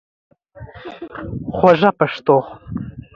خوږه پښتو